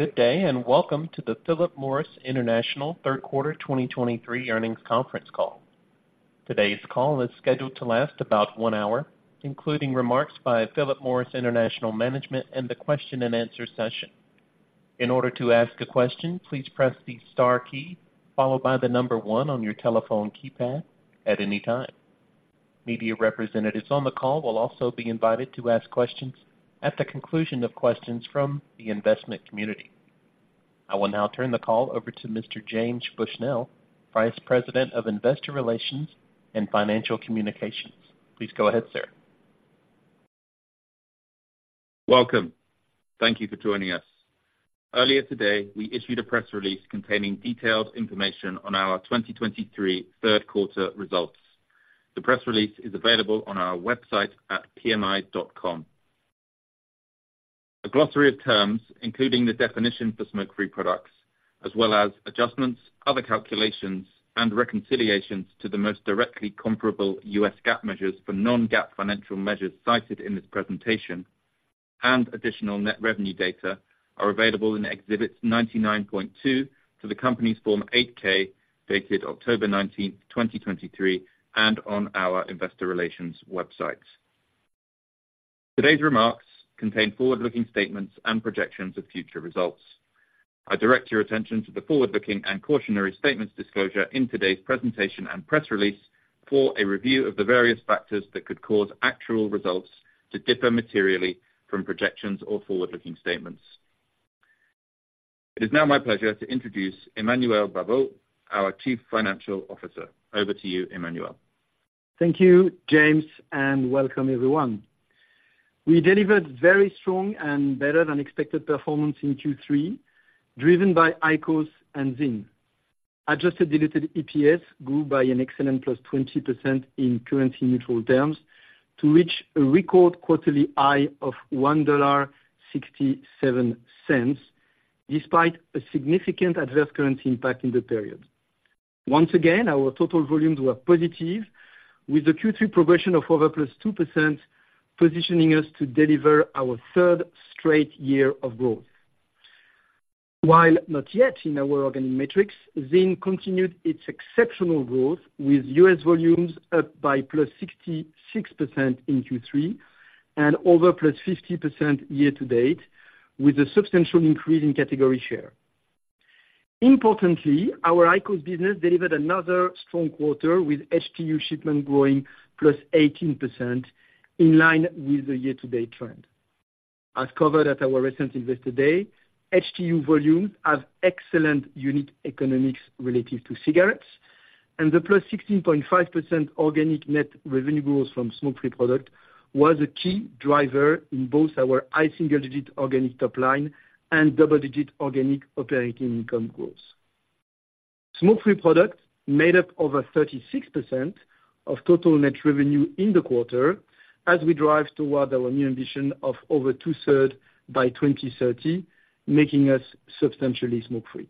Good day, and welcome to the Philip Morris International third quarter 2023 earnings conference call. Today's call is scheduled to last about one hour, including remarks by Philip Morris International Management and the question-and-answer session. In order to ask a question, please press the star key, followed by the number one on your telephone keypad at any time. Media representatives on the call will also be invited to ask questions at the conclusion of questions from the investment community. I will now turn the call over to Mr. James Bushnell, Vice President of Investor Relations and Financial Communications. Please go ahead, sir. Welcome. Thank you for joining us. Earlier today, we issued a press release containing detailed information on our 2023 third quarter results. The press release is available on our website at pmi.com. A glossary of terms, including the definition for smoke-free products, as well as adjustments, other calculations, and reconciliations to the most directly comparable U.S. GAAP measures for non-GAAP financial measures cited in this presentation and additional net revenue data are available in Exhibit 99.2 to the company's Form 8-K, dated October 19th, 2023, and on our Investor Relations website. Today's remarks contain forward-looking statements and projections of future results. I direct your attention to the forward-looking and cautionary statements disclosure in today's presentation and press release for a review of the various factors that could cause actual results to differ materially from projections or forward-looking statements. It is now my pleasure to introduce Emmanuel Babeau, our Chief Financial Officer. Over to you, Emmanuel. Thank you, James, and welcome everyone. We delivered very strong and better-than-expected performance in Q3, driven by IQOS and ZYN. Adjusted diluted EPS grew by an excellent +20% in currency-neutral terms to reach a record quarterly high of $1.67, despite a significant adverse currency impact in the period. Once again, our total volumes were positive, with the Q3 progression of over +2%, positioning us to deliver our third straight year of growth. While not yet in our organic metrics, ZYN continued its exceptional growth, with U.S. volumes up by +66% in Q3 and over +50% year to date, with a substantial increase in category share. Importantly, our IQOS business delivered another strong quarter, with HTU shipment growing +18% in line with the year-to-date trend. As covered at our recent Investor Day, HTU volumes have excellent unique economics relative to cigarettes, and the +16.5% organic net revenue growth from smoke-free product was a key driver in both our high single-digit organic top-line and double-digit organic operating income growth. Smoke-free products made up over 36% of total net revenue in the quarter as we drive toward our new ambition of over 2/3 by 2030, making us substantially smoke-free.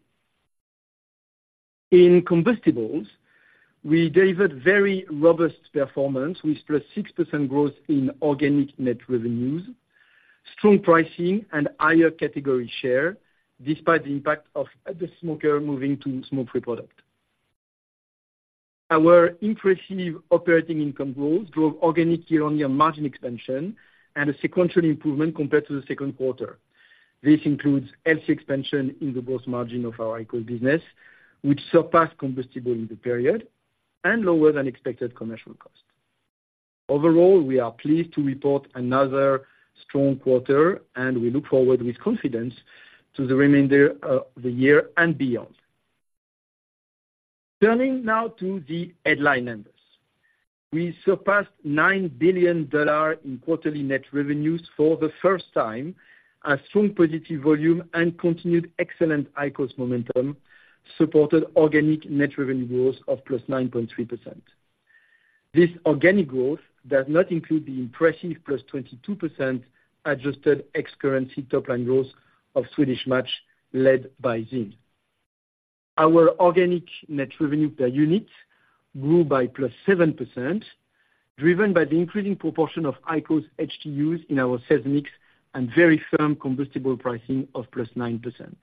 In combustibles, we delivered very robust performance with +6% growth in organic net revenues, strong pricing, and higher category share, despite the impact of the smoker moving to smoke-free product. Our impressive operating income growth drove organic year-on-year margin expansion and a sequential improvement compared to the second quarter. This includes healthy expansion in the gross margin of our IQOS business, which surpassed combustible in the period and lower than expected commercial costs. Overall, we are pleased to report another strong quarter, and we look forward with confidence to the remainder of the year and beyond. Turning now to the headline numbers. We surpassed $9 billion in quarterly net revenues for the first time, as strong positive volume and continued excellent IQOS momentum supported organic net revenue growth of +9.3%. This organic growth does not include the impressive +22% adjusted ex-currency top line growth of Swedish Match, led by ZYN. Our organic net revenue per unit grew by +7%, driven by the increasing proportion of IQOS HTUs in our sales mix and very firm combustible pricing of +9%.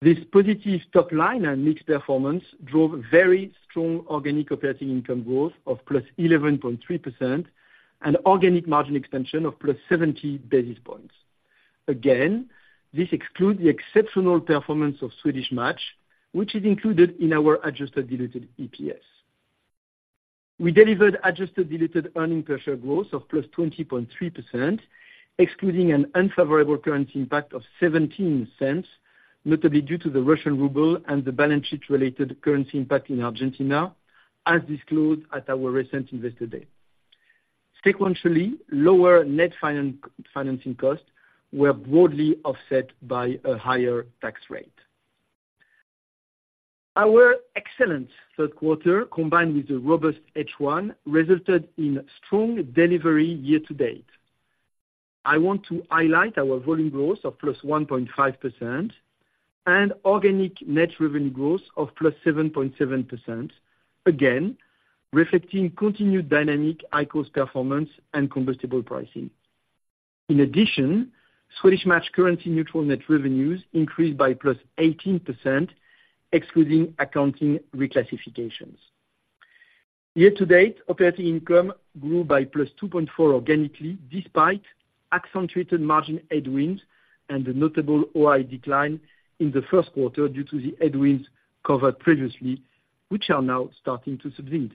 This positive top line and mix performance drove very strong organic operating income growth of +11.3% and organic margin expansion of +70 basis points. Again, this excludes the exceptional performance of Swedish Match, which is included in our adjusted diluted EPS. We delivered adjusted diluted earnings per share growth of +20.3%, excluding an unfavorable currency impact of $0.17, notably due to the Russian ruble and the balance sheet-related currency impact in Argentina, as disclosed at our recent Investor Day. Sequentially, lower net financing costs were broadly offset by a higher tax rate. Our excellent third quarter, combined with a robust H1, resulted in strong delivery year to date. I want to highlight our volume growth of +1.5%. Organic net revenue growth of +7.7%, again, reflecting continued dynamic IQOS performance and combustible pricing. In addition, Swedish Match currency-neutral net revenues increased by +18%, excluding accounting reclassifications. Year-to-date, operating income grew by +2.4% organically, despite accentuated margin headwinds and a notable OI decline in the first quarter due to the headwinds covered previously, which are now starting to subside.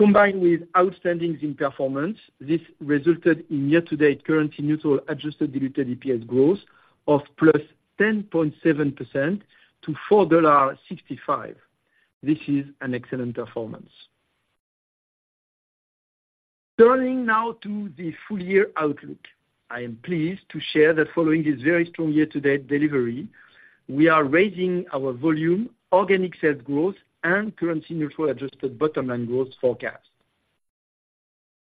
Combined with outstanding ZYN performance, this resulted in year-to-date currency-neutral adjusted diluted EPS growth of +10.7% to $4.65. This is an excellent performance. Turning now to the full-year outlook, I am pleased to share that following this very strong year-to-date delivery, we are raising our volume, organic sales growth, and currency-neutral adjusted bottom line growth forecast.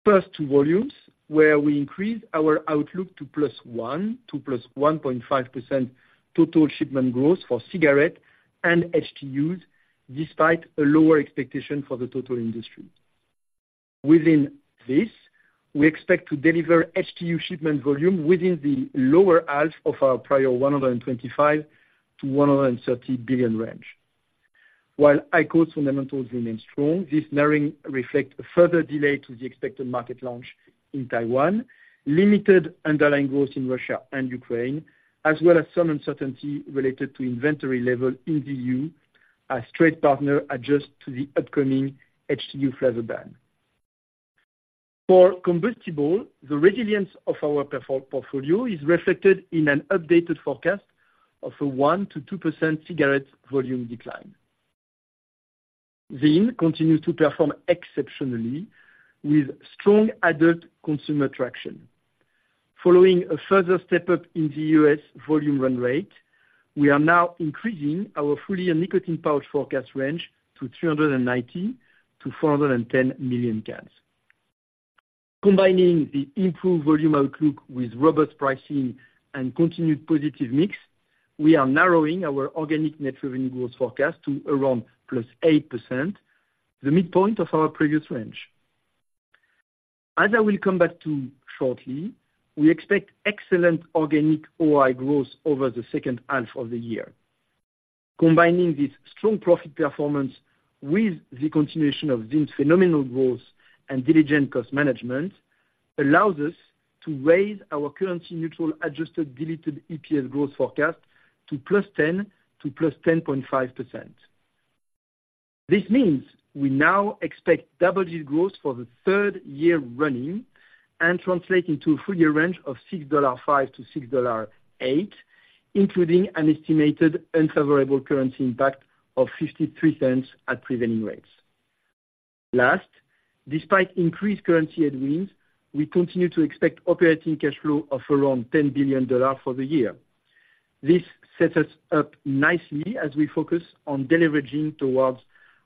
First, to volumes, where we increase our outlook to +1% to +1.5% total shipment growth for cigarette and HTUs, despite a lower expectation for the total industry. Within this, we expect to deliver HTU shipment volume within the lower half of our prior 125 billion-130 billion range. While IQOS fundamentals remain strong, this narrowing reflect a further delay to the expected market launch in Taiwan, limited underlying growth in Russia and Ukraine, as well as some uncertainty related to inventory level in the EU, as trade partner adjust to the upcoming HTU flavor ban. For combustible, the resilience of our portfolio is reflected in an updated forecast of a 1%-2% cigarette volume decline. ZYN continues to perform exceptionally with strong adult consumer traction. Following a further step up in the U.S. volume run rate, we are now increasing our full-year nicotine pouch forecast range to 390 million-410 million cans. Combining the improved volume outlook with robust pricing and continued positive mix, we are narrowing our organic net revenue growth forecast to around +8%, the midpoint of our previous range. As I will come back to shortly, we expect excellent organic OI growth over the second half of the year. Combining this strong profit performance with the continuation of ZYN's phenomenal growth and diligent cost management, allows us to raise our currency neutral adjusted diluted EPS growth forecast to +10% to +10.5%. This means we now expect double-digit growth for the third year running, and translate into a full year range of $6.05-$6.08, including an estimated unfavorable currency impact of $0.53 at prevailing rates. Last, despite increased currency headwinds, we continue to expect operating cash flow of around $10 billion for the year. This sets us up nicely as we focus on deleveraging towards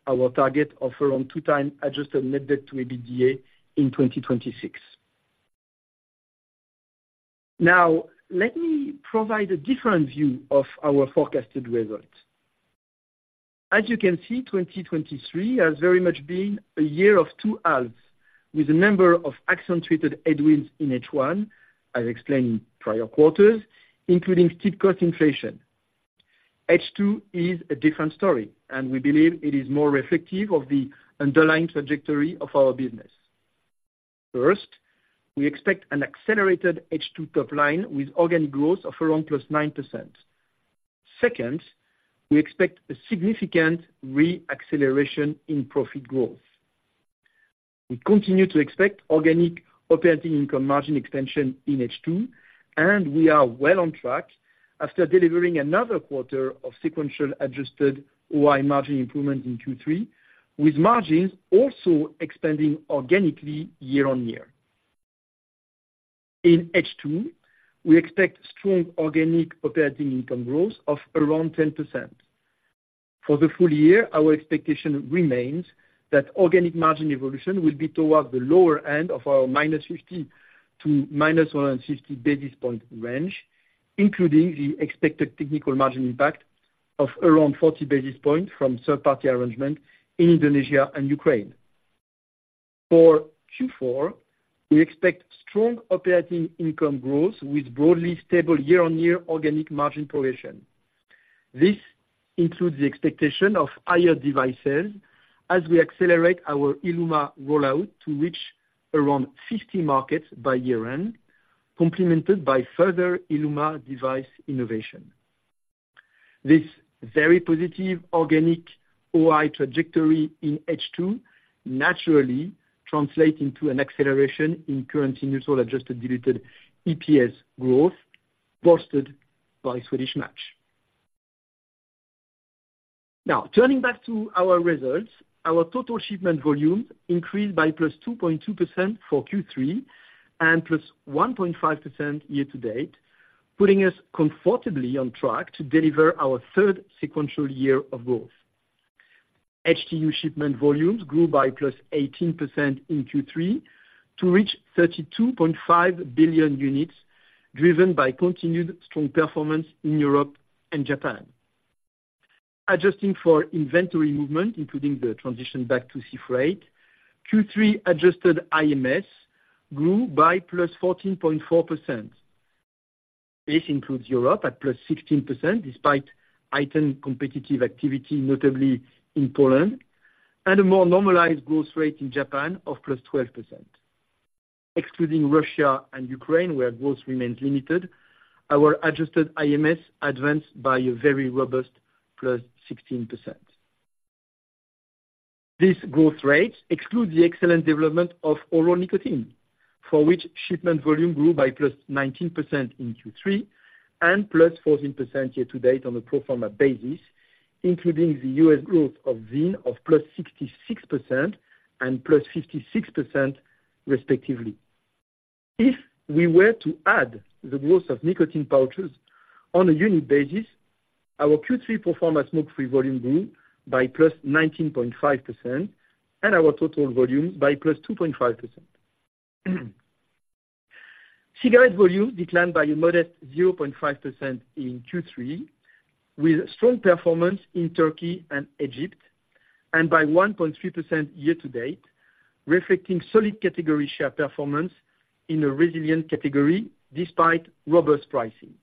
our target of around 2x adjusted net debt to EBITDA in 2026. Now, let me provide a different view of our forecasted results. As you can see, 2023 has very much been a year of two halves, with a number of accentuated headwinds in H1, as explained in prior quarters, including steep cost inflation. H2 is a different story, and we believe it is more reflective of the underlying trajectory of our business. First, we expect an accelerated H2 top line with organic growth of around +9%. Second, we expect a significant re-acceleration in profit growth. We continue to expect organic operating income margin expansion in H2, and we are well on track after delivering another quarter of sequential adjusted OI margin improvement in Q3, with margins also expanding organically year-on-year. In H2, we expect strong organic operating income growth of around 10%. For the full year, our expectation remains that organic margin evolution will be towards the lower end of our -50 basis points to -150 basis point range, including the expected technical margin impact of around 40 basis points from third-party arrangement in Indonesia and Ukraine. For Q4, we expect strong operating income growth with broadly stable year-on-year organic margin progression. This includes the expectation of higher device sales as we accelerate our ILUMA rollout to reach around 50 markets by year-end, complemented by further ILUMA device innovation. This very positive organic OI trajectory in H2 naturally translate into an acceleration in currency neutral adjusted diluted EPS growth, bolstered by Swedish Match. Now, turning back to our results, our total shipment volume increased by +2.2% for Q3 and +1.5% year to date, putting us comfortably on track to deliver our third sequential year of growth. HTU shipment volumes grew by +18% in Q3 to reach 32.5 billion units, driven by continued strong performance in Europe and Japan. Adjusting for inventory movement, including the transition back to sea freight, Q3 adjusted IMS grew by +14.4%. This includes Europe at +16%, despite heightened competitive activity, notably in Poland, and a more normalized growth rate in Japan of +12%. Excluding Russia and Ukraine, where growth remains limited, our adjusted IMS advanced by a very robust +16%. These growth rates exclude the excellent development of oral nicotine, for which shipment volume grew by +19% in Q3 and +14% year to date on a pro forma basis, including the U.S. growth of ZYN of +66% and +56% respectively. If we were to add the growth of nicotine pouches on a unit basis, our Q3 pro forma smoke-free volume grew by +19.5% and our total volume by +2.5%. Cigarette volume declined by a modest 0.5% in Q3, with strong performance in Turkey and Egypt, and by 1.3% year to date, reflecting solid category share performance in a resilient category despite robust pricing.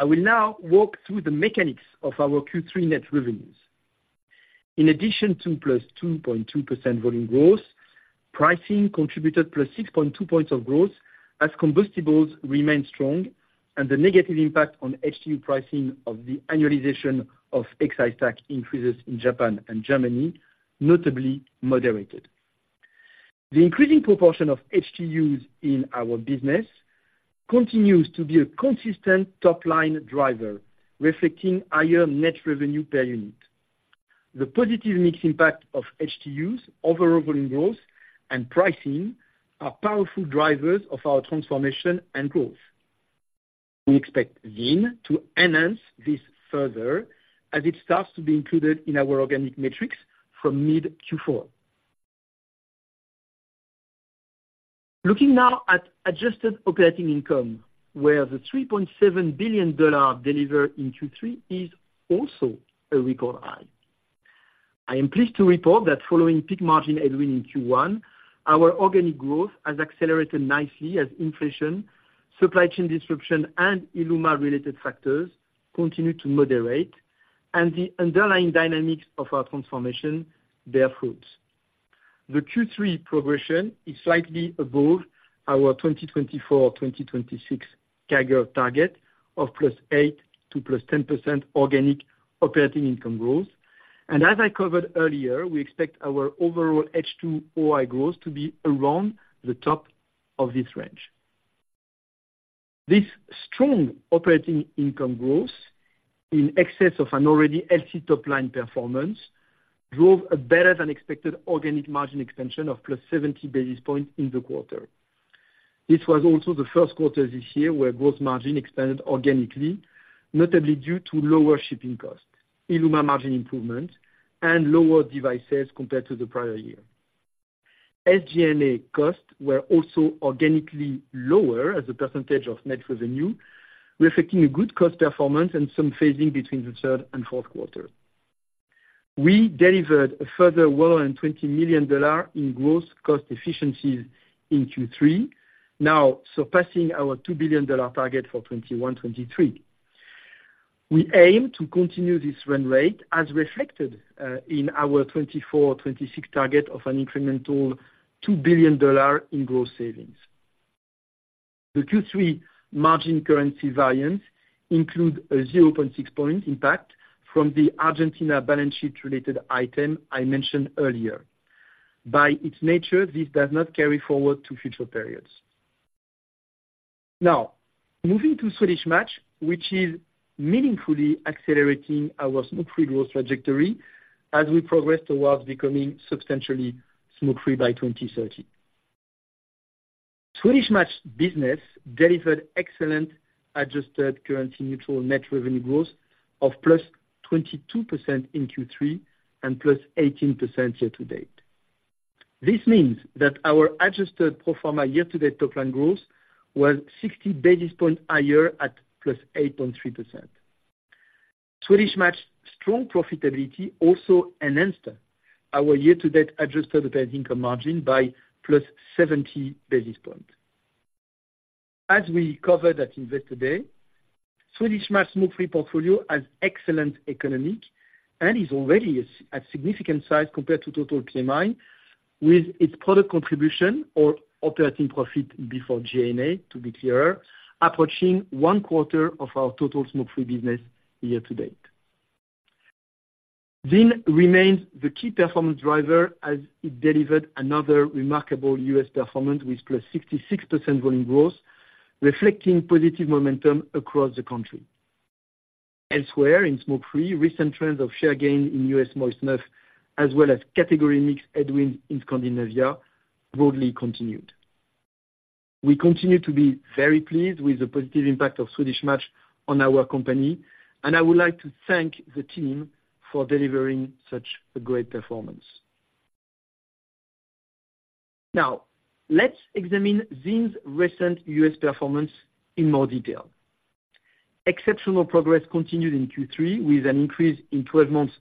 I will now walk through the mechanics of our Q3 net revenues. In addition to +2.2% volume growth, pricing contributed +6.2 points of growth as combustibles remained strong and the negative impact on HTU pricing of the annualization of excise tax increases in Japan and Germany, notably moderated. The increasing proportion of HTUs in our business continues to be a consistent top line driver, reflecting higher net revenue per unit. The positive mix impact of HTUs over overall volume growth and pricing are powerful drivers of our transformation and growth. We expect ZYN to enhance this further as it starts to be included in our organic metrics from mid Q4. Looking now at adjusted operating income, where the $3.7 billion delivered in Q3 is also a record high. I am pleased to report that following peak margin in Q1, our organic growth has accelerated nicely as inflation, supply chain disruption, and ILUMA-related factors continue to moderate and the underlying dynamics of our transformation bear fruits. The Q3 progression is slightly above our 2024-2026 CAGR target of +8% to +10% organic operating income growth, and as I covered earlier, we expect our overall H2 OI growth to be around the top of this range. This strong operating income growth, in excess of an already healthy top line performance, drove a better than expected organic margin expansion of +70 basis points in the quarter. This was also the first quarter this year where gross margin expanded organically, notably due to lower shipping costs, ILUMA margin improvement, and lower device sales compared to the prior year. SG&A costs were also organically lower as a percentage of net revenue, reflecting a good cost performance and some phasing between the third and fourth quarter. We delivered a further well over $20 million in gross cost efficiencies in Q3, now surpassing our $2 billion target for 2021-2023. We aim to continue this run rate as reflected in our 2024-2026 target of an incremental $2 billion in gross savings. The Q3 margin currency variance includes a 0.6-point impact from the Argentina balance sheet-related item I mentioned earlier. By its nature, this does not carry forward to future periods. Now, moving to Swedish Match, which is meaningfully accelerating our smoke-free growth trajectory as we progress towards becoming substantially smoke-free by 2030. Swedish Match business delivered excellent adjusted currency neutral net revenue growth of +22% in Q3 and +18% year-to-date. This means that our adjusted pro forma year-to-date top-line growth was 60 basis points higher at +8.3%. Swedish Match strong profitability also enhanced our year-to-date adjusted income margin by +70 basis points. As we covered at Investor Day, Swedish Match smoke-free portfolio has excellent economics and is already a significant size compared to total PMI, with its product contribution or operating profit before SG&A, to be clearer, approaching one quarter of our total smoke-free business year to date. ZYN remains the key performance driver as it delivered another remarkable U.S. performance with +66% volume growth, reflecting positive momentum across the country. Elsewhere, in smoke-free, recent trends of share gain in U.S. moist snuff, as well as category mix headwind in Scandinavia, broadly continued. We continue to be very pleased with the positive impact of Swedish Match on our company, and I would like to thank the team for delivering such a great performance. Now, let's examine ZYN's recent U.S. performance in more detail. Exceptional progress continued in Q3, with an increase in 12 months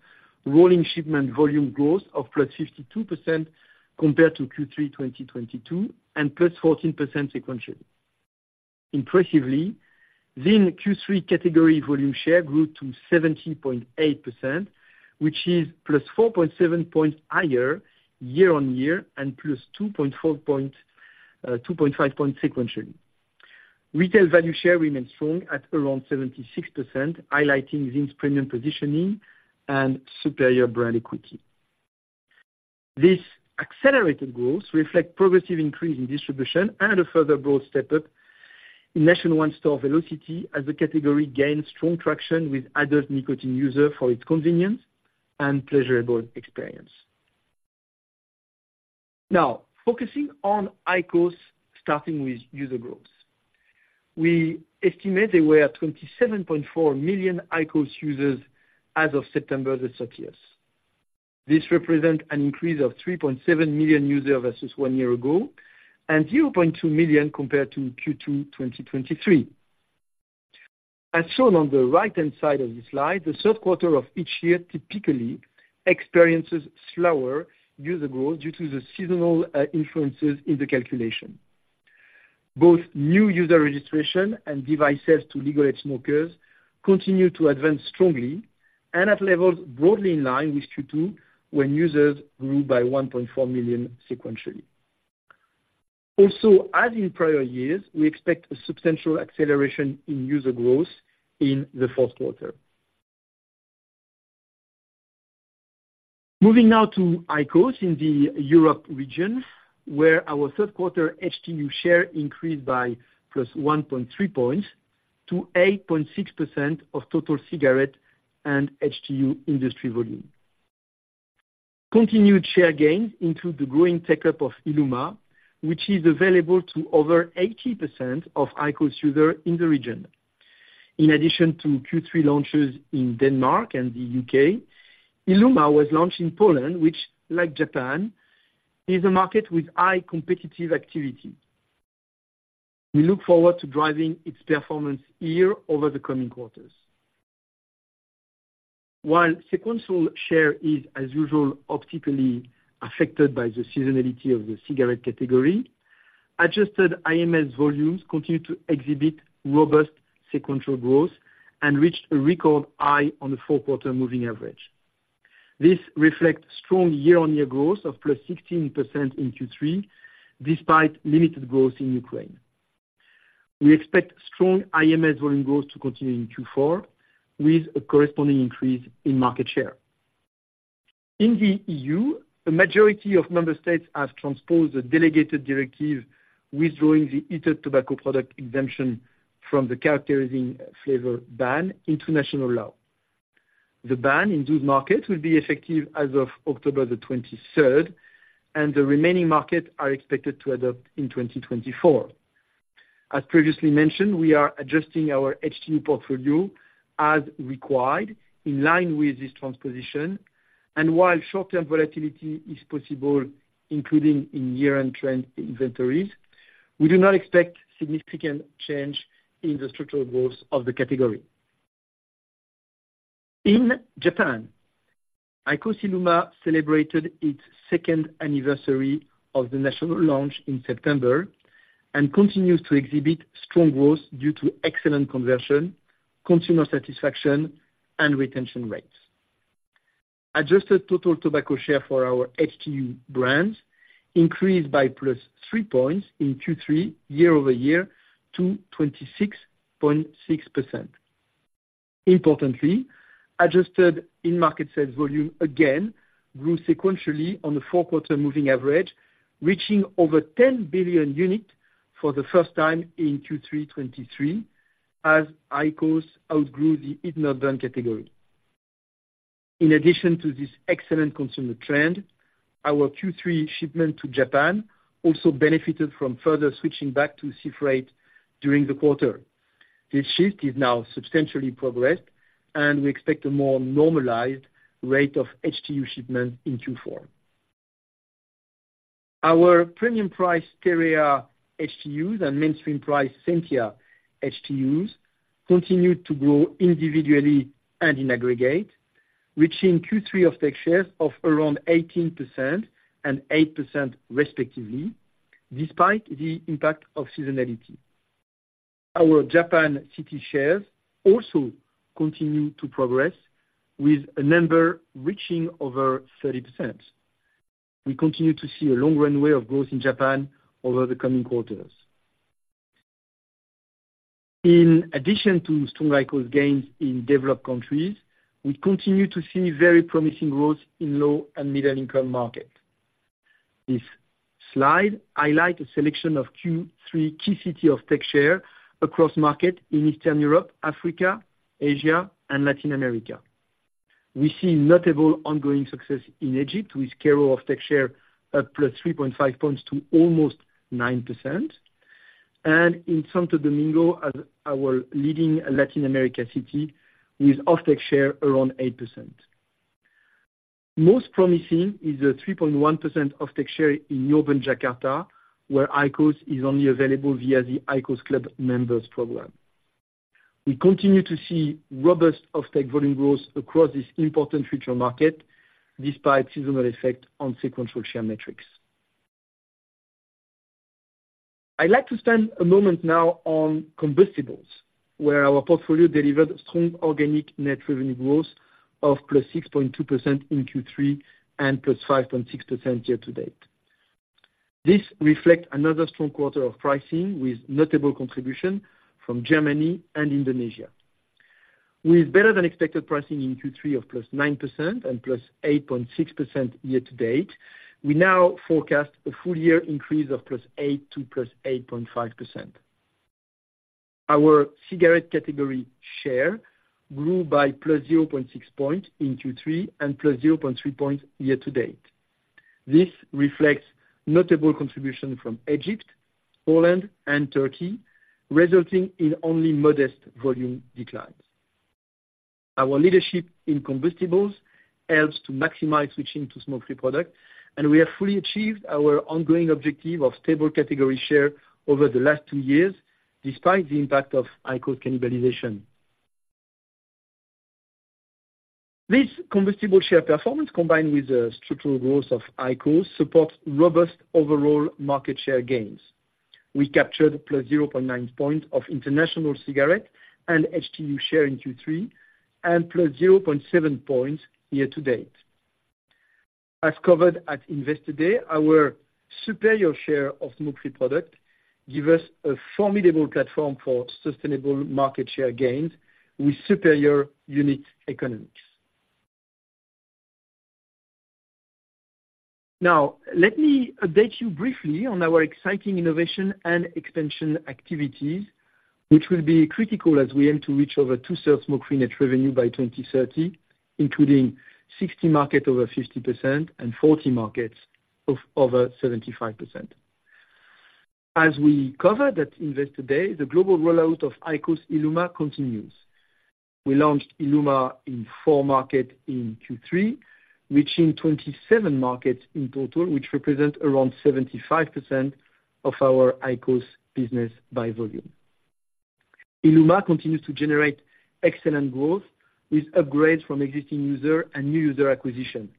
rolling shipment volume growth of +52% compared to Q3 2022, and +14% sequentially. Impressively, ZYN Q3 category volume share grew to 70.8%, which is +4.7 points higher year-on-year and +2.5 points sequentially. Retail value share remains strong at around 76%, highlighting ZYN's premium positioning and superior brand equity. This accelerated growth reflect progressive increase in distribution and a further broad step up in national one-store velocity as the category gains strong traction with adult nicotine user for its convenience and pleasurable experience. Now, focusing on IQOS, starting with user growth. We estimate there were 27.4 million IQOS users as of September 30th. This represents an increase of 3.7 million users versus one year ago, and 0.2 million compared to Q2 2023. As shown on the right-hand side of the slide, the third quarter of each year typically experiences slower user growth due to the seasonal influences in the calculation. Both new user registration and device sales to legal age smokers continue to advance strongly and at levels broadly in line with Q2, when users grew by 1.4 million sequentially. Also, as in prior years, we expect a substantial acceleration in user growth in the fourth quarter. Moving now to IQOS in the Europe region, where our third quarter HTU share increased by +1.3 points to 8.6% of total cigarette and HTU industry volume. Continued share gains into the growing take-up of ILUMA, which is available to over 80% of IQOS users in the region. In addition to Q3 launches in Denmark and the U.K., ILUMA was launched in Poland, which, like Japan, is a market with high competitive activity. We look forward to driving its performance here over the coming quarters. While sequential share is, as usual, optically affected by the seasonality of the cigarette category, adjusted IMS volumes continue to exhibit robust sequential growth and reached a record high on the four-quarter moving average. This reflects strong year-on-year growth of +16% in Q3, despite limited growth in Ukraine. We expect strong IMS volume growth to continue in Q4, with a corresponding increase in market share. In the EU, the majority of member states have transposed a delegated directive, withdrawing the heated tobacco product exemption from the characterizing flavor ban into national law. The ban in the EU market will be effective as of October 23rd, and the remaining markets are expected to adopt in 2024. As previously mentioned, we are adjusting our HT portfolio as required, in line with this transposition, and while short-term volatility is possible, including in year-end trade inventories, we do not expect significant change in the structural growth of the category. In Japan, IQOS ILUMA celebrated its second anniversary of the national launch in September and continues to exhibit strong growth due to excellent conversion, consumer satisfaction, and retention rates. Adjusted total tobacco share for our HTU brands increased by +3 points in Q3 year-over-year to 26.6%. Importantly, adjusted in-market sales volume again grew sequentially on the four-quarter moving average, reaching over 10 billion units for the first time in Q3 2023 as IQOS outgrew the heated tobacco category. In addition to this excellent consumer trend, our Q3 shipment to Japan also benefited from further switching back to sea freight during the quarter. This shift is now substantially progressed, and we expect a more normalized rate of HTU shipment in Q4. Our premium price TEREA HTUs and mainstream price SENTIA HTUs continued to grow individually and in aggregate, reaching Q3 HTU shares of around 18% and 8% respectively, despite the impact of seasonality. Our Japan city shares also continue to progress, with a number reaching over 30%. We continue to see a long runway of growth in Japan over the coming quarters. In addition to strong IQOS gains in developed countries, we continue to see very promising growth in low and middle-income markets. This slide highlights a selection of Q3 key city IQOS share across markets in Eastern Europe, Africa, Asia, and Latin America. We see notable ongoing success in Egypt, with Cairo off-take share up +3.5 points to almost 9%, and in Santo Domingo, as our leading Latin America city, with off-take share around 8%. Most promising is a 3.1% off-take share in urban Jakarta, where IQOS is only available via the IQOS CLUB members program. We continue to see robust off-take volume growth across this important future markets, despite seasonal effect on sequential share metrics. I'd like to spend a moment now on combustibles, where our portfolio delivered strong organic net revenue growth of +6.2% in Q3 and +5.6% year to date. This reflects another strong quarter of pricing, with notable contribution from Germany and Indonesia. With better than expected pricing in Q3 of +9% and +8.6% year to date, we now forecast a full year increase of +8% to +8.5%. Our cigarette category share grew by +0.6 points in Q3 and +0.3 points year to date. This reflects notable contribution from Egypt, Poland and Turkey, resulting in only modest volume declines. Our leadership in combustibles helps to maximize switching to smoke-free products, and we have fully achieved our ongoing objective of stable category share over the last two years, despite the impact of IQOS cannibalization. This combustible share performance, combined with the structural growth of IQOS, supports robust overall market share gains. We captured +0.9 points of international cigarette and HTU share in Q3 and +0.7 points year to date. As covered at Investor Day, our superior share of smoke-free product give us a formidable platform for sustainable market share gains with superior unit economics. Now, let me update you briefly on our exciting innovation and expansion activities, which will be critical as we aim to reach over 2/3 smoke-free net revenue by 2030, including 60 markets over 50% and 40 markets of over 75%. As we covered at Investor Day, the global rollout of IQOS ILUMA continues. We launched ILUMA in four markets in Q3, reaching 27 markets in total, which represent around 75% of our IQOS business by volume. ILUMA continues to generate excellent growth, with upgrades from existing user and new user acquisition.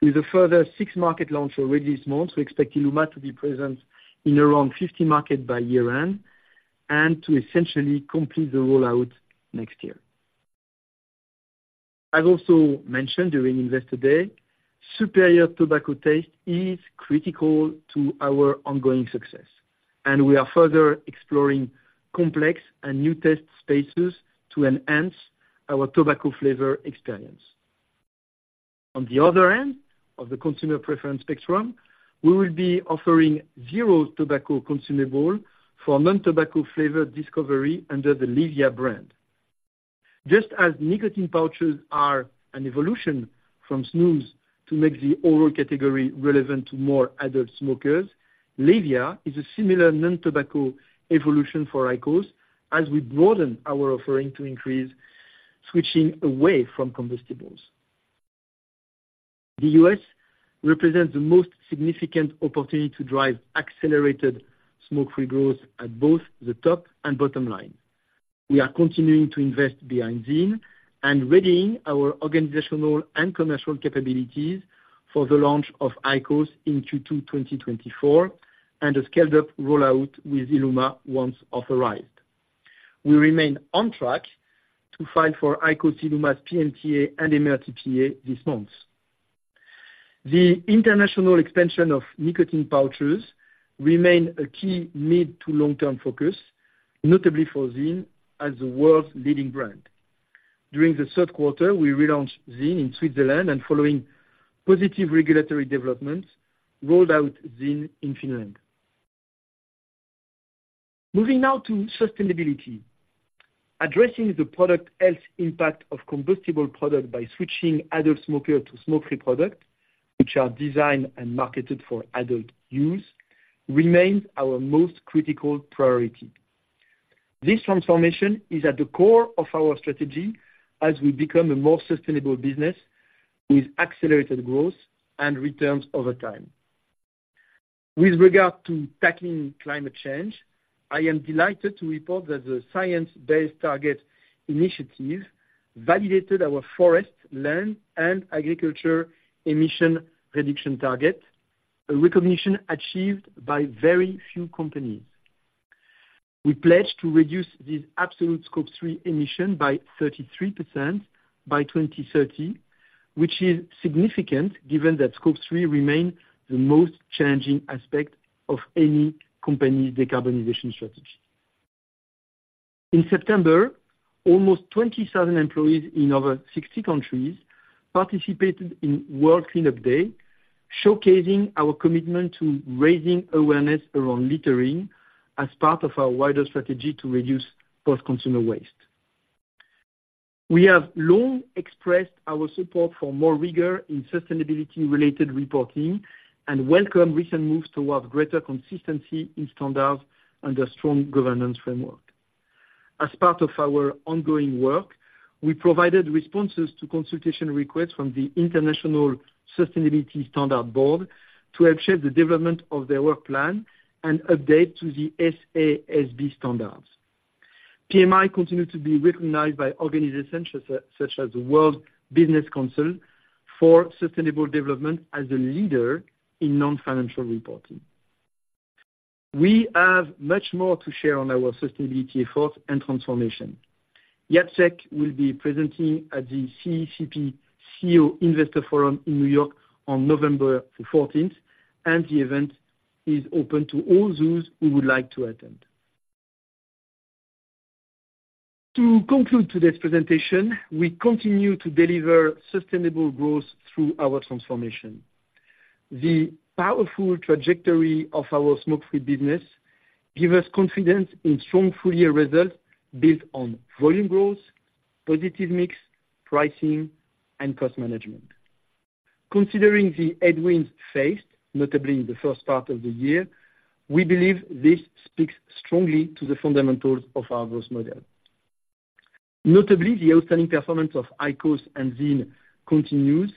With a further six markets launch already this month, we expect ILUMA to be present in around 50 markets by year-end and to essentially complete the rollout next year. I've also mentioned during Investor Day, superior tobacco taste is critical to our ongoing success, and we are further exploring complex and new taste spaces to enhance our tobacco flavor experience. On the other end of the consumer preference spectrum, we will be offering zero tobacco consumable for non-tobacco flavor discovery under the LEVIA brand. Just as nicotine pouches are an evolution from snus to make the oral category relevant to more adult smokers, LEVIA is a similar non-tobacco evolution for IQOS as we broaden our offering to increase switching away from combustibles. The U.S. represents the most significant opportunity to drive accelerated smoke-free growth at both the top and bottom line. We are continuing to invest behind ZYN and readying our organizational and commercial capabilities for the launch of IQOS in Q2 2024, and a scaled up rollout with ILUMA once authorized. We remain on track to file for IQOS ILUMA's PMTA and MRTPA this month. The international expansion of nicotine pouches remain a key mid to long-term focus, notably for ZYN, as the world's leading brand. During the third quarter, we relaunched ZYN in Switzerland, and following positive regulatory developments, rolled out ZYN in Finland. Moving now to sustainability. Addressing the product health impact of combustible product by switching adult smokers to smoke-free products, which are designed and marketed for adult use, remains our most critical priority. This transformation is at the core of our strategy as we become a more sustainable business with accelerated growth and returns over time. With regard to tackling climate change, I am delighted to report that the Science Based Targets initiative validated our forest, land, and agriculture emission reduction target, a recognition achieved by very few companies. We pledge to reduce this absolute scope three emission by 33% by 2030, which is significant given that scope three remain the most challenging aspect of any company's decarbonization strategy. In September, almost 20,000 employees in over 60 countries participated in World Cleanup Day, showcasing our commitment to raising awareness around littering as part of our wider strategy to reduce post-consumer waste. We have long expressed our support for more rigor in sustainability-related reporting, and welcome recent moves towards greater consistency in standards and a strong governance framework. As part of our ongoing work, we provided responses to consultation requests from the International Sustainability Standards Board to help shape the development of their work plan and update to the SASB standards. PMI continues to be recognized by organizations such as the World Business Council for Sustainable Development, as a leader in non-financial reporting. We have much more to share on our sustainability efforts and transformation. Jacek will be presenting at the COP CEO Investor Forum in New York on November the 14th, and the event is open to all those who would like to attend. To conclude today's presentation, we continue to deliver sustainable growth through our transformation. The powerful trajectory of our smoke-free business give us confidence in strong full-year results built on volume growth, positive mix, pricing, and cost management. Considering the headwinds faced, notably in the first part of the year, we believe this speaks strongly to the fundamentals of our growth model. Notably, the outstanding performance of IQOS and ZYN continues,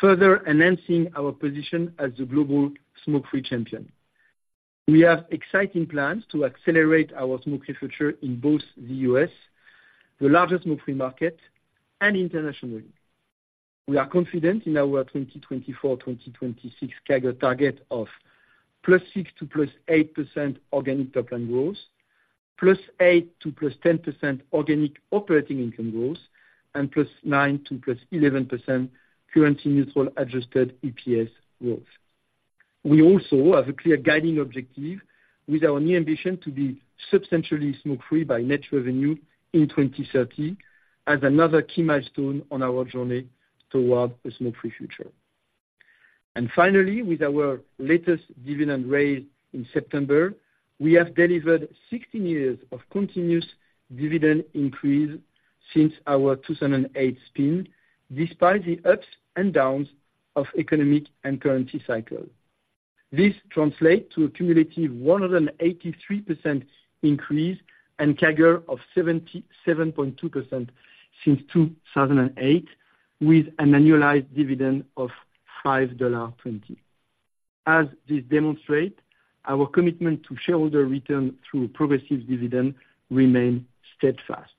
further enhancing our position as the global smoke-free champion. We have exciting plans to accelerate our smoke-free future in both the U.S., the largest smoke-free market, and internationally. We are confident in our 2024-2026 CAGR target of +6% to +8% organic top-line growth, +8% to +10% organic operating income growth, and +9% to +11% currency neutral Adjusted EPS growth. We also have a clear guiding objective with our new ambition to be substantially smoke-free by net revenue in 2030, as another key milestone on our journey toward a smoke-free future. And finally, with our latest dividend raise in September, we have delivered 16 years of continuous dividend increase since our 2008 spin, despite the ups and downs of economic and currency cycle. This translate to a cumulative 183% increase and CAGR of 77.2% since 2008, with an annualized dividend of $5.20. As this demonstrate, our commitment to shareholder return through progressive dividend remain steadfast.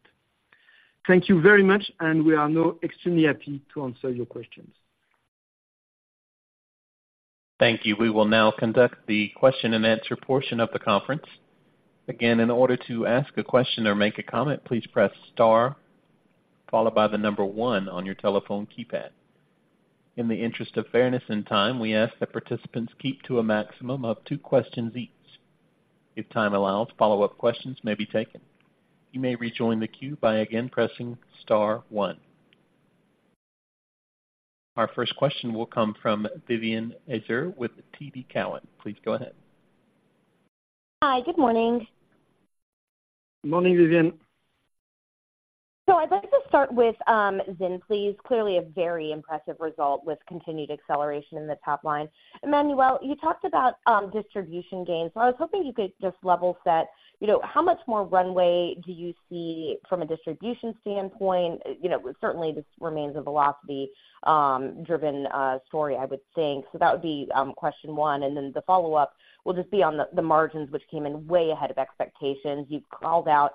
Thank you very much, and we are now extremely happy to answer your questions. Thank you. We will now conduct the question-and-answer portion of the conference. Again, in order to ask a question or make a comment, please press star, followed by the number one on your telephone keypad. In the interest of fairness and time, we ask that participants keep to a maximum of two questions each. If time allows, follow-up questions may be taken. You may rejoin the queue by again pressing star one. Our first question will come from Vivien Azer with TD Cowen. Please go ahead. Hi, good morning. Morning, Vivien. So I'd like to start with ZYN, please. Clearly a very impressive result with continued acceleration in the top line. Emmanuel, you talked about distribution gains, so I was hoping you could just level set, you know, how much more runway do you see from a distribution standpoint? You know, certainly this remains a velocity driven story, I would think. So that would be question one, and then the follow-up will just be on the margins, which came in way ahead of expectations. You've called out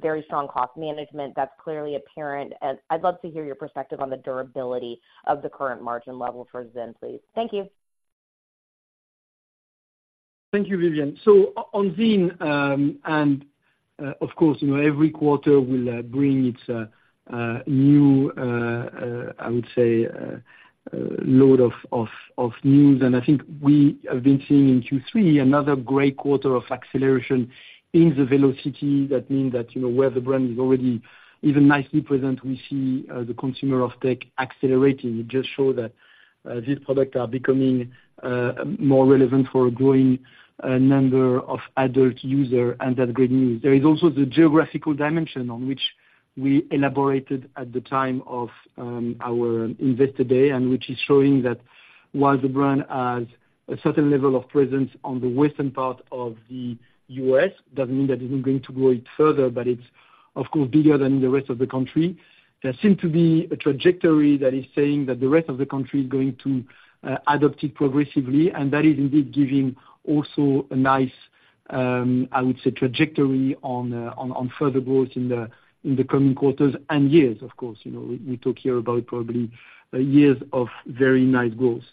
very strong cost management. That's clearly apparent, and I'd love to hear your perspective on the durability of the current margin level for ZYN, please. Thank you. Thank you, Vivien. So on ZYN, and, of course, you know, every quarter will bring its new load of news. And I think we have been seeing in Q3, another great quarter of acceleration in the velocity. That means that, you know, where the brand is already even nicely present, we see the consumer of tech accelerating. It just show that these products are becoming more relevant for a growing number of adult user, and that's great news. There is also the geographical dimension, on which we elaborated at the time of our Investor Day, and which is showing that while the brand has a certain level of presence on the western part of the U.S., doesn't mean that it's not going to grow it further, but it's, of course, bigger than the rest of the country. There seem to be a trajectory that is saying that the rest of the country is going to adopt it progressively, and that is indeed giving also a nice, I would say, trajectory on further growth in the coming quarters and years, of course. You know, we talk here about probably years of very nice growth.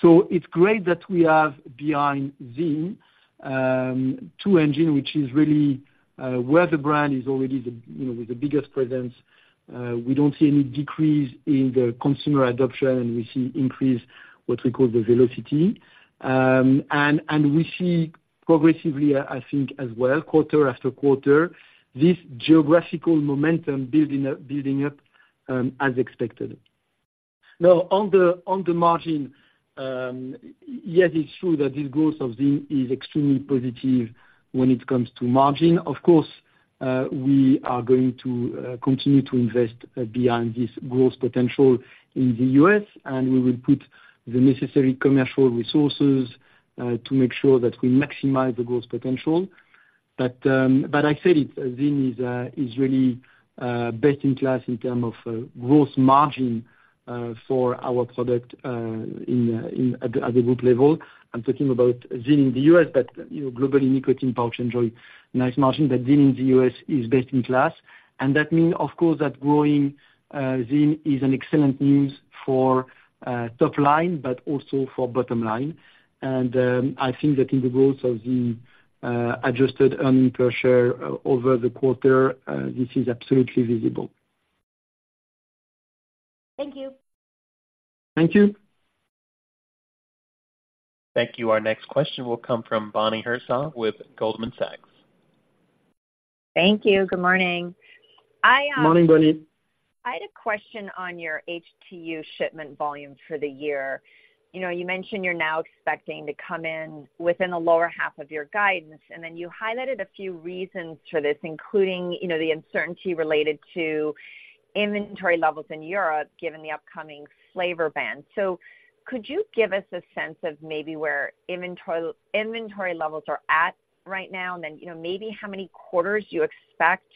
So it's great that we have behind ZYN, two engine, which is really, where the brand is already, you know, with the biggest presence. We don't see any decrease in the consumer adoption, and we see increase, what we call the velocity. And we see progressively, I think as well, quarter after quarter, this geographical momentum building up, building up, as expected. Now, on the margin, yes, it's true that this growth of ZYN is extremely positive when it comes to margin. Of course, we are going to continue to invest behind this growth potential in the U.S., and we will put the necessary commercial resources to make sure that we maximize the growth potential. But I said it, ZYN is really best in class in terms of growth margin for our product at the group level. I'm talking about ZYN in the U.S., but, you know, global nicotine pouch enjoy nice margin, but ZYN in the U.S. is best in class. And that means, of course, that growing ZYN is an excellent news for top line, but also for bottom line. And I think that in the growth of the adjusted earnings per share over the quarter, this is absolutely visible. Thank you. Thank you. Thank you. Our next question will come from Bonnie Herzog with Goldman Sachs. Thank you. Good morning. Morning, Bonnie. I had a question on your HTU shipment volume for the year. You know, you mentioned you're now expecting to come in within the lower half of your guidance, and then you highlighted a few reasons for this, including, you know, the uncertainty related to inventory levels in Europe, given the upcoming flavor ban. So could you give us a sense of maybe where inventory, inventory levels are at right now? And then, you know, maybe how many quarters you expect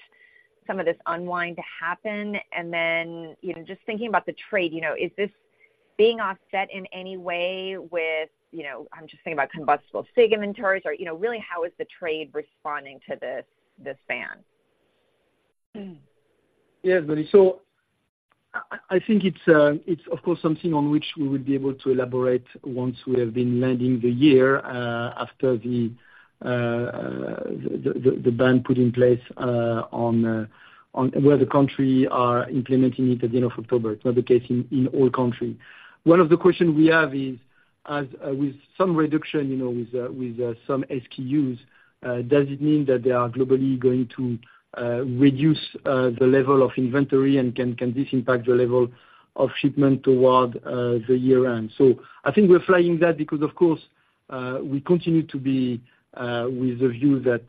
some of this unwind to happen. And then, you know, just thinking about the trade, you know, is this being offset in any way with, you know, I'm just thinking about combustible cig inventories or, you know, really, how is the trade responding to this, this ban? Yes, Bonnie, so I think it's of course something on which we will be able to elaborate once we have been landing the year after the ban put in place on where the country are implementing it at the end of October. It's not the case in all country. One of the question we have is, as with some reduction, you know, with some SKUs, does it mean that they are globally going to reduce the level of inventory, and can this impact the level of shipment toward the year end? So I think we're flying that because, of course, we continue to be with the view that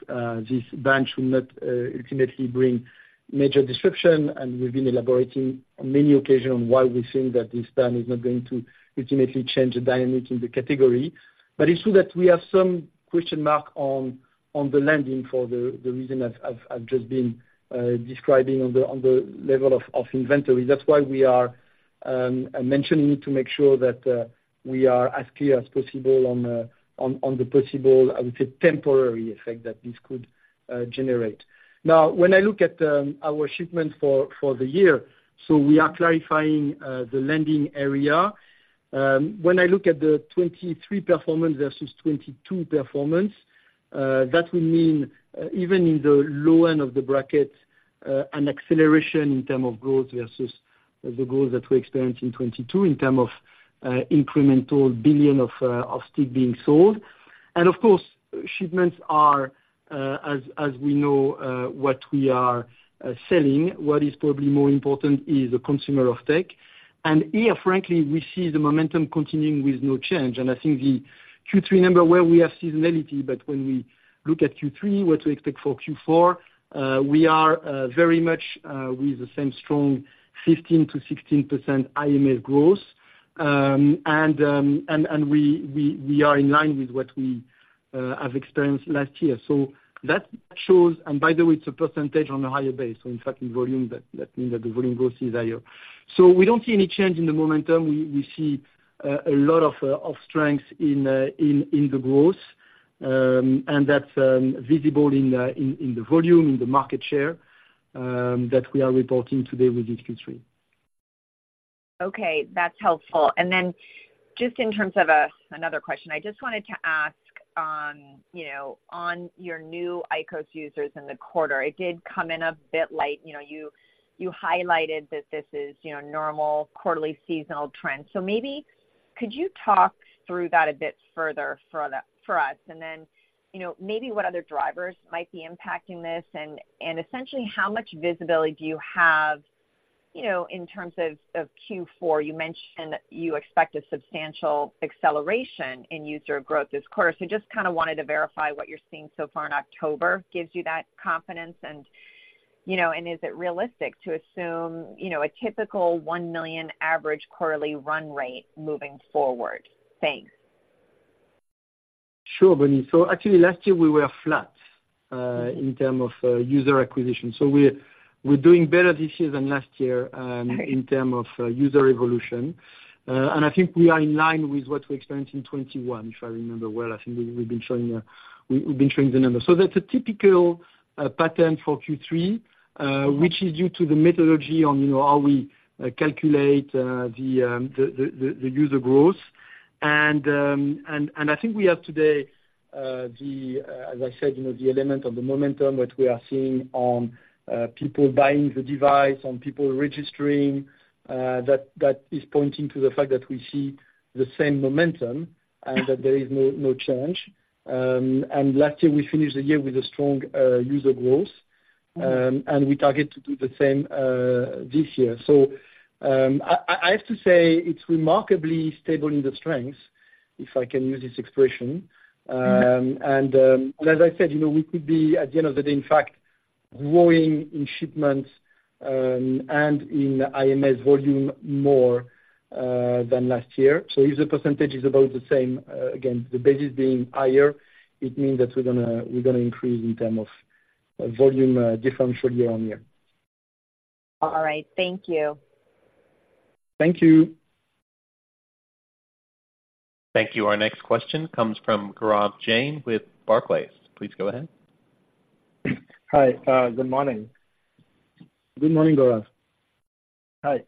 this ban should not ultimately bring major disruption. And we've been elaborating on many occasions on why we think that this ban is not going to ultimately change the dynamic in the category. But it's true that we have some question mark on the landing for the reason I've just been describing on the level of inventory. That's why we are mentioning it, to make sure that we are as clear as possible on the possible, I would say, temporary effect that this could generate. Now, when I look at our shipment for the year, so we are clarifying the landing area. When I look at the 2023 performance versus 2022 performance, that will mean, even in the low end of the bracket, an acceleration in terms of growth versus the growth that we experienced in 2022, in terms of incremental billion of sticks being sold. And of course, shipments are, as we know, what we are selling. What is probably more important is the consumer uptake, and here, frankly, we see the momentum continuing with no change. And I think the Q3 number, where we have seasonality, but when we look at Q3, what we expect for Q4, we are very much with the same strong 15%-16% IMS growth. And we are in line with what we have experienced last year. So that shows... And by the way, it's a percentage on a higher base, so in fact, in volume, that means that the volume growth is higher. So we don't see any change in the momentum. We see a lot of strength in the growth. And that's visible in the volume, in the market share, that we are reporting today with Q3. Okay, that's helpful. Then just in terms of another question, I just wanted to ask on, you know, on your new IQOS users in the quarter, it did come in a bit light. You know, you highlighted that this is, you know, normal quarterly seasonal trends. So maybe could you talk through that a bit further for us? And then, you know, maybe what other drivers might be impacting this, and essentially, how much visibility do you have, you know, in terms of Q4? You mentioned that you expect a substantial acceleration in user growth this quarter. So just kind of wanted to verify what you're seeing so far in October, gives you that confidence, and, you know, is it realistic to assume, you know, a typical 1 million average quarterly run rate moving forward? Thanks. Sure, Bonnie. So actually, last year we were flat in terms of user acquisition. So we're doing better this year than last year. Okay In terms of user evolution. And I think we are in line with what we experienced in 2021, if I remember well. I think we, we've been showing the numbers. So that's a typical pattern for Q3, which is due to the methodology on, you know, how we calculate the user growth. And I think we have today, as I said, you know, the element of the momentum that we are seeing on people buying the device, on people registering that is pointing to the fact that we see the same momentum, and that there is no change. And last year, we finished the year with a strong user growth, and we target to do the same this year. So, I have to say, it's remarkably stable in the strength, if I can use this expression. And as I said, you know, we could be, at the end of the day, in fact, growing in shipments, and in IMS volume more, than last year. So if the percentage is about the same, again, the base is being higher, it means that we're gonna increase in term of volume, differential year on year. All right. Thank you. Thank you! Thank you. Our next question comes from Gaurav Jain with Barclays. Please go ahead. Hi, good morning. Good morning, Gaurav. Hi.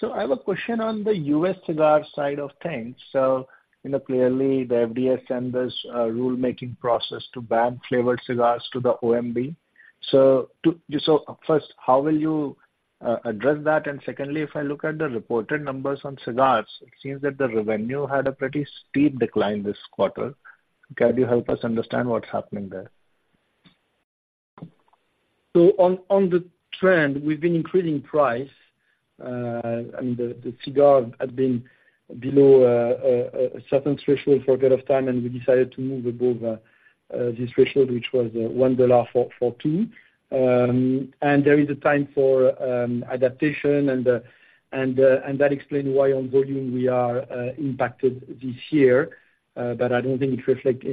So I have a question on the U.S. cigar side of things. So, you know, clearly the FDA sent this rulemaking process to ban flavored cigars to the OMB. So first, how will you address that? And secondly, if I look at the reported numbers on cigars, it seems that the revenue had a pretty steep decline this quarter. Can you help us understand what's happening there? So on the trend, we've been increasing price, and the cigar had been below a certain threshold for a bit of time, and we decided to move above this threshold, which was $1 for two. And there is a time for adaptation, and that explains why on volume we are impacted this year. But I don't think it reflect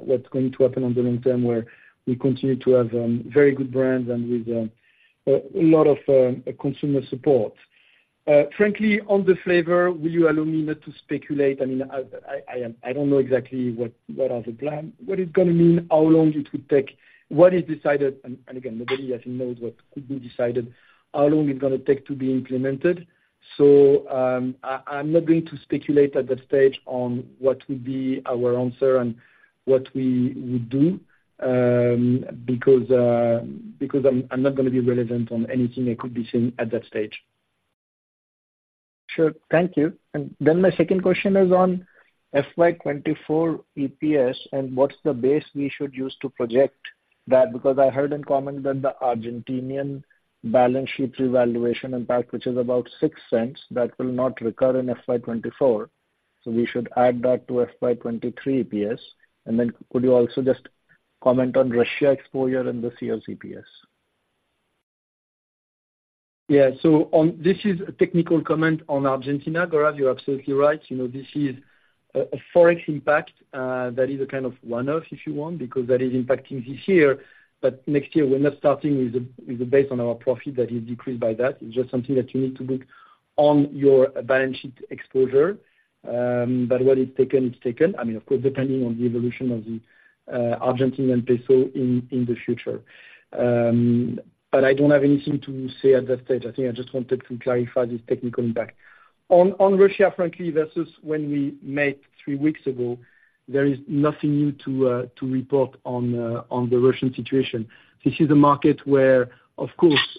what's going to happen on the long term, where we continue to have very good brands and with a lot of consumer support. Frankly, on the flavor, will you allow me not to speculate? I mean, I don't know exactly what the plan is, what it's gonna mean, how long it would take, what is decided, and again, nobody actually knows what could be decided, how long it's gonna take to be implemented. So, I'm not going to speculate at that stage on what would be our answer and what we would do, because I'm not gonna be relevant on anything that could be seen at that stage. Sure. Thank you. Then my second question is on FY 2024 EPS, and what's the base we should use to project that? Because I heard in comment that the Argentinian balance sheet revaluation impact, which is about $0.06, that will not recur in FY 2024, so we should add that to FY 2023 EPS. And then could you also just comment on Russia exposure and the [CLCPS]? Yeah. So on this is a technical comment on Argentina, Gaurav, you're absolutely right. You know, this is a Forex impact that is a kind of one-off, if you want, because that is impacting this year. But next year, we're not starting with a base on our profit that is decreased by that. It's just something that you need to book on your balance sheet exposure, but when it's taken, it's taken. I mean, of course, depending on the evolution of the Argentine peso in the future. But I don't have anything to say at that stage. I think I just wanted to clarify this technical impact. On Russia, frankly, versus when we met three weeks ago, there is nothing new to report on the Russian situation. This is a market where, of course,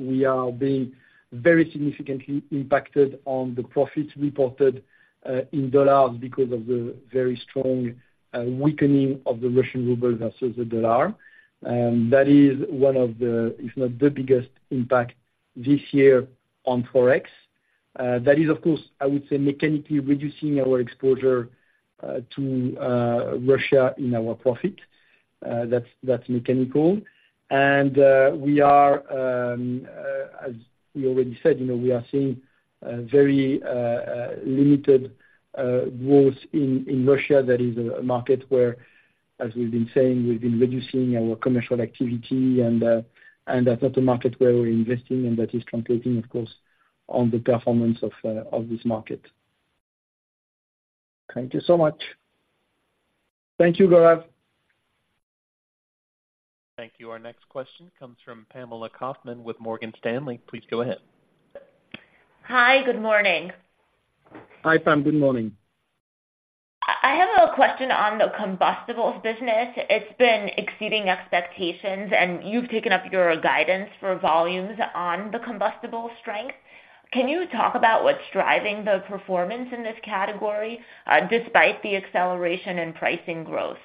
we are being very significantly impacted on the profits reported in dollars because of the very strong weakening of the Russian ruble versus the dollar. That is one of the, if not the biggest impact this year on Forex. That is, of course, I would say, mechanically reducing our exposure to Russia in our profit. That's, that's mechanical. And, we are, as we already said, you know, we are seeing very limited growth in Russia. That is a market where, as we've been saying, we've been reducing our commercial activity and that's not a market where we're investing, and that is translating, of course, on the performance of this market. Thank you so much. Thank you, Gaurav. Thank you. Our next question comes from Pamela Kaufman with Morgan Stanley. Please go ahead. Hi, good morning. Hi, Pam. Good morning. I have a question on the combustibles business. It's been exceeding expectations, and you've taken up your guidance for volumes on the combustible strength. Can you talk about what's driving the performance in this category, despite the acceleration in pricing growth?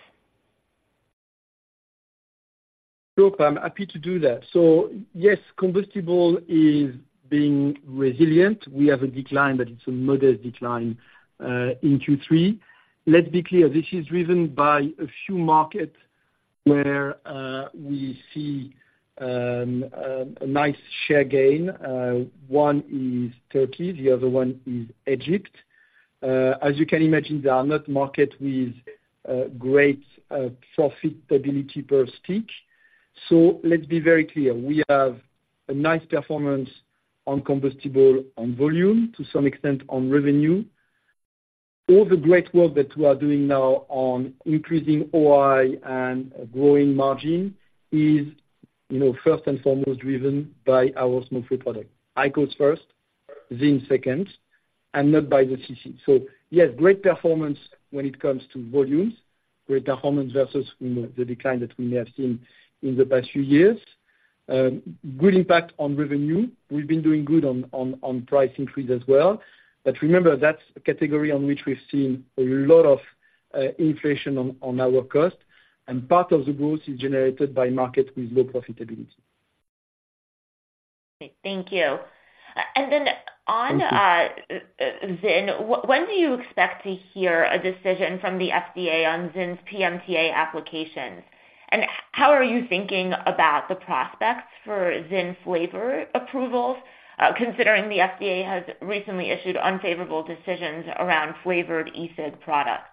Sure, Pam, happy to do that. So yes, combustible is being resilient. We have a decline, but it's a modest decline in Q3. Let's be clear, this is driven by a few markets where we see a nice share gain. One is Turkey, the other one is Egypt. As you can imagine, they are not markets with great profitability per stick. So let's be very clear, we have a nice performance on combustible, on volume, to some extent on revenue. All the great work that we are doing now on increasing OI and growing margin is, you know, first and foremost, driven by our smoke-free product. IQOS first, ZYN second, and not by the CC. So yes, great performance when it comes to volumes, great performance versus, you know, the decline that we may have seen in the past few years. Good impact on revenue. We've been doing good on price increase as well. But remember, that's a category on which we've seen a lot of inflation on our cost, and part of the growth is generated by market with low profitability. Thank you. And then on, Thank you. ZYN, when do you expect to hear a decision from the FDA on ZYN's PMTA applications? And how are you thinking about the prospects for ZYN flavor approvals, considering the FDA has recently issued unfavorable decisions around flavored ENDS products?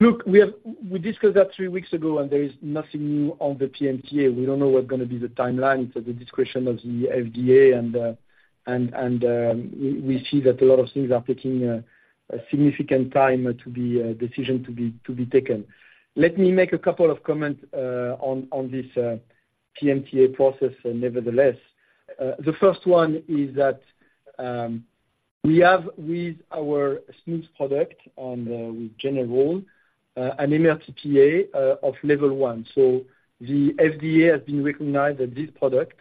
Look, we have discussed that three weeks ago, and there is nothing new on the PMTA. We don't know what's gonna be the timeline, it's at the discretion of the FDA, and we see that a lot of things are taking a significant time for decisions to be taken. Let me make a couple of comments on this PMTA process nevertheless. The first one is that we have with our smokeless product, with General, an MRTPA of Level 1. So the FDA has been recognized that this product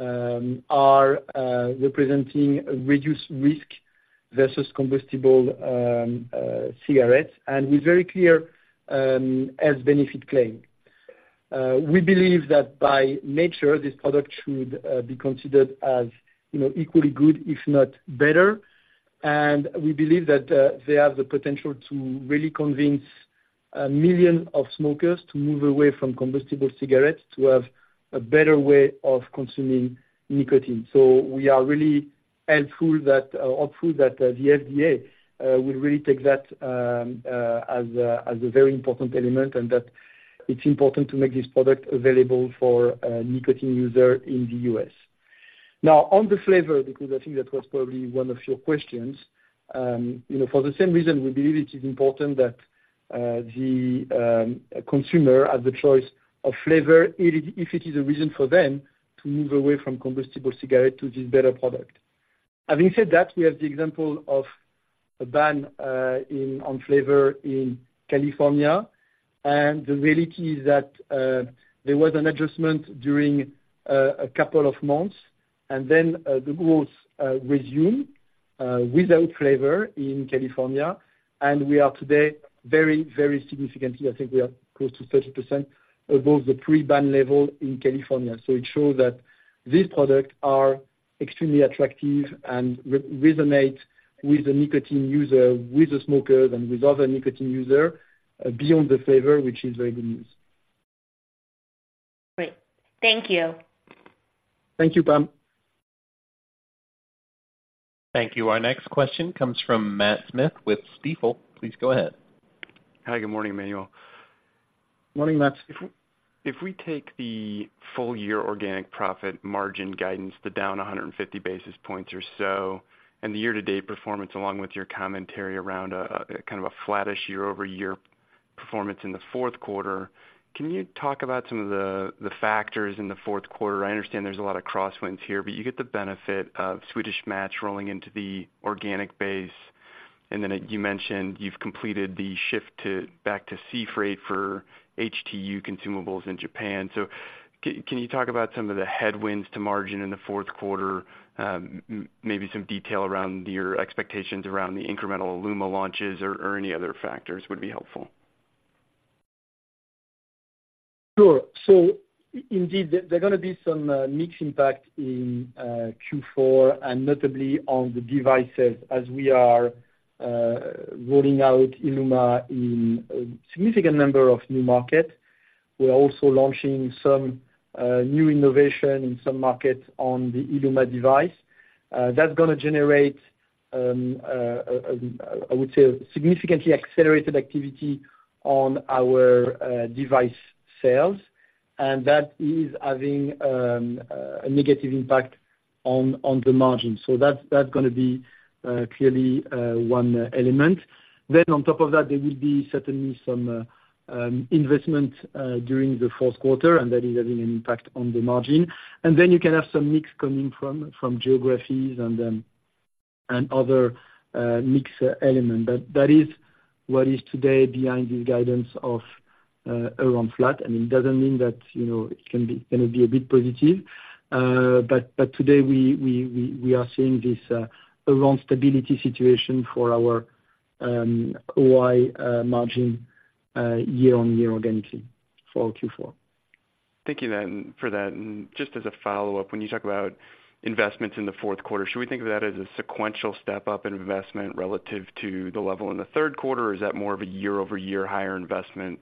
are representing a reduced risk versus combustible cigarettes, and we're very clear as benefit claim. We believe that by nature, this product should be considered as, you know, equally good, if not better. And we believe that they have the potential to really convince 1 million of smokers to move away from combustible cigarettes to have a better way of consuming nicotine. So we are really hopeful that the FDA will really take that as a very important element, and that it's important to make this product available for nicotine user in the U.S. Now, on the flavor, because I think that was probably one of your questions, you know, for the same reason, we believe it is important that the consumer has the choice of flavor, if it is a reason for them to move away from combustible cigarette to this better product. Having said that, we have the example of a ban in on flavor in California, and the reality is that there was an adjustment during a couple of months, and then the growth resumed without flavor in California, and we are today very, very significantly, I think we are close to 30% above the pre-ban level in California. So it shows that these products are extremely attractive and resonate with the nicotine user, with the smokers, and with other nicotine user beyond the flavor, which is very good news. Great. Thank you. Thank you, Pam. Thank you. Our next question comes from Matt Smith with Stifel. Please go ahead. Hi, good morning, Emmanuel. Morning, Matt. If we take the full year organic profit margin guidance to down 150 basis points or so, and the year-to-date performance along with your commentary around kind of a flattish year-over-year performance in the fourth quarter, can you talk about some of the factors in the fourth quarter? I understand there's a lot of crosswinds here, but you get the benefit of Swedish Match rolling into the organic base. And then, you mentioned you've completed the shift to back to sea freight for HTU consumables in Japan. So can you talk about some of the headwinds to margin in the fourth quarter? Maybe some detail around your expectations around the incremental ILUMA launches or any other factors would be helpful. Sure. So indeed, there are gonna be some mixed impact in Q4, and notably on the devices as we are rolling out ILUMA in a significant number of new markets. We are also launching some new innovation in some markets on the ILUMA device. That's gonna generate, I would say, a significantly accelerated activity on our device sales, and that is having a negative impact on the margin. So that's gonna be clearly one element. Then on top of that, there will be certainly some investment during the fourth quarter, and that is having an impact on the margin. And then you can have some mix coming from geographies and then other mix element. But that is what is today behind the guidance of around flat, and it doesn't mean that, you know, it can be gonna be a bit positive. But today, we are seeing this around stability situation for our OI margin year-on-year organically for Q4. Thank you then, for that. Just as a follow-up, when you talk about investments in the fourth quarter, should we think of that as a sequential step up in investment relative to the level in the third quarter, or is that more of a year-over-year higher investment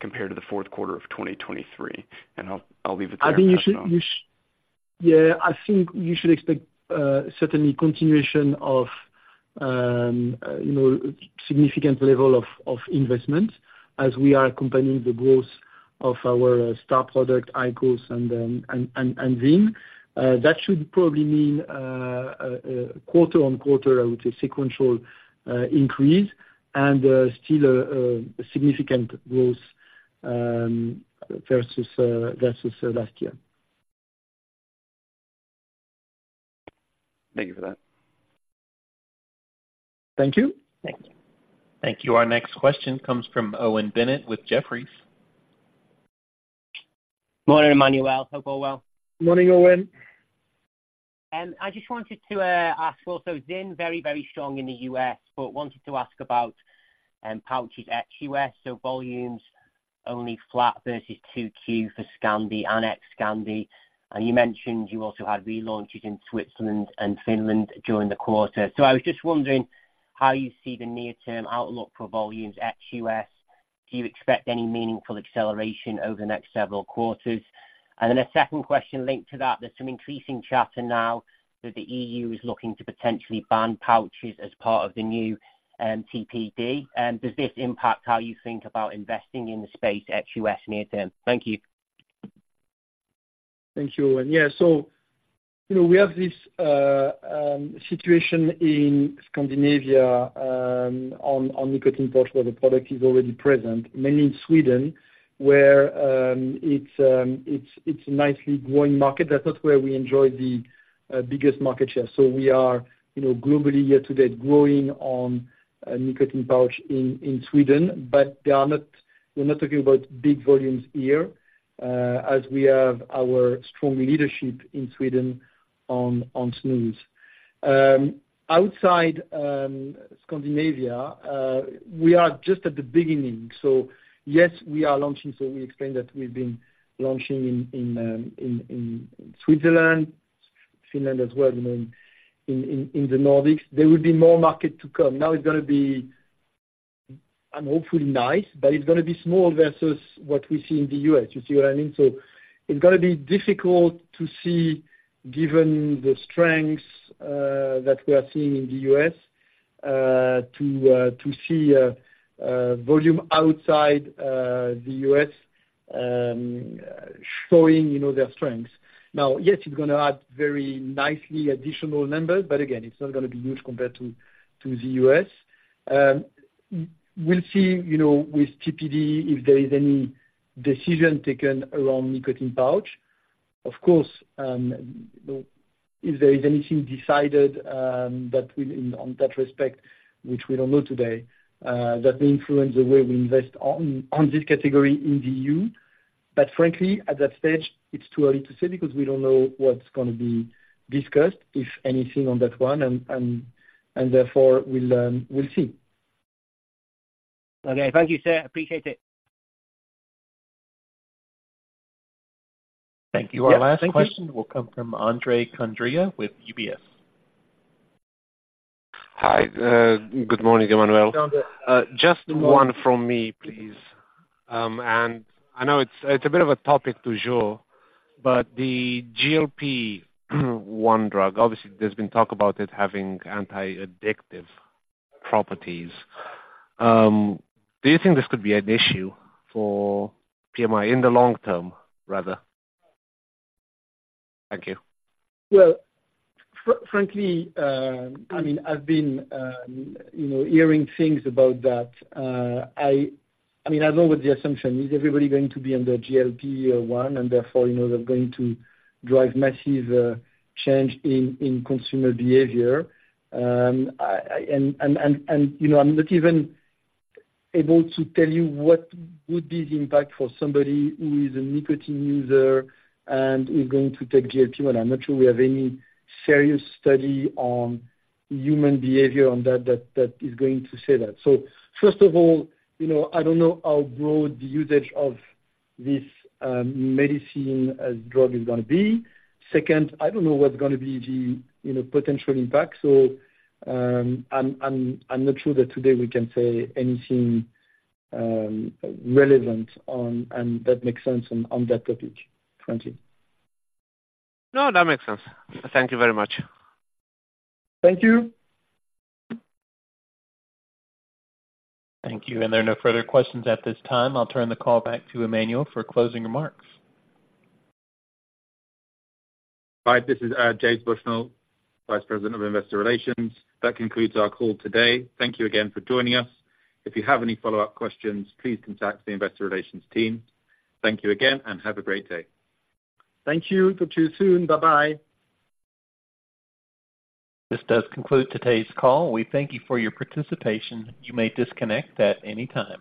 compared to the fourth quarter of 2023? I'll leave it there. I think you should expect, certainly continuation of, you know, significant level of investment as we are accompanying the growth of our, star product, IQOS and ZYN. That should probably mean, quarter-on-quarter, I would say, sequential, increase, and still a significant growth, versus last year. Thank you for that. Thank you. Thank you. Thank you. Our next question comes from Owen Bennett with Jefferies. Morning, Emmanuel. Hope all well. Morning, Owen. I just wanted to ask also, ZYN, very, very strong in the U.S., but wanted to ask about pouches ex-U.S., so volumes only flat versus 2Q for Scandi and ex-Scandi. And you mentioned you also had relaunches in Switzerland and Finland during the quarter. So I was just wondering how you see the near term outlook for volumes ex-U.S. Do you expect any meaningful acceleration over the next several quarters? And then a second question linked to that, there's some increasing chatter now that the EU is looking to potentially ban pouches as part of the new TPD. Does this impact how you think about investing in the space ex-U.S. near term? Thank you. Thank you, Owen. Yeah, so you know, we have this situation in Scandinavia on nicotine pouch, where the product is already present, mainly in Sweden, where it's a nicely growing market. That's not where we enjoy the biggest market share. So we are, you know, globally, year to date, growing on a nicotine pouch in Sweden, but they are not, we're not talking about big volumes here, as we have our strong leadership in Sweden on snus. Outside Scandinavia, we are just at the beginning, so yes, we are launching, so we explained that we've been launching in Switzerland, Finland as well, you know, in the Nordics. There will be more market to come. Now, it's gonna be, and hopefully nice, but it's gonna be small versus what we see in the U.S. You see what I mean? So it's gonna be difficult to see, given the strengths, that we are seeing in the U.S., to see volume outside the U.S. showing, you know, their strengths. Now, yes, it's gonna add very nicely additional numbers, but again, it's not gonna be huge compared to the U.S. We'll see, you know, with TPD, if there is any decision taken around nicotine pouch. Of course, if there is anything decided that we, in, on that respect, which we don't know today, that will influence the way we invest on, on this category in the EU, but frankly, at that stage, it's too early to say, because we don't know what's gonna be discussed, if anything, on that one, and, and, and therefore we'll, we'll see. Okay. Thank you, sir. Appreciate it. Thank you. Yeah, thank you. Our last question will come from Andrei Condrea with UBS. Hi. Good morning, Emmanuel. Hi, Andrei. Just one from me, please. And I know it's, it's a bit of a topic du jour, but the GLP-1 drug, obviously there's been talk about it having anti-addictive properties. Do you think this could be an issue for PMI in the long term, rather? Thank you. Well, frankly, I mean, I've been, you know, hearing things about that. I mean, I know what the assumption is, everybody going to be under GLP-1, and therefore, you know, they're going to drive massive change in consumer behavior? And, you know, I'm not even able to tell you what would be the impact for somebody who is a nicotine user and is going to take GLP-1. I'm not sure we have any serious study on human behavior on that that is going to say that. So first of all, you know, I don't know how broad the usage of this medicine as drug is gonna be. Second, I don't know what's gonna be the, you know, potential impact so, I'm not sure that today we can say anything relevant on, and that makes sense on, on that topic, frankly. No, that makes sense. Thank you very much. Thank you. Thank you, and there are no further questions at this time. I'll turn the call back to Emmanuel for closing remarks. Hi, this is James Bushnell, Vice President of Investor Relations. That concludes our call today. Thank you again for joining us. If you have any follow-up questions, please contact the Investor Relations team. Thank you again, and have a great day. Thank you. Talk to you soon. Bye-bye. This does conclude today's call. We thank you for your participation. You may disconnect at any time.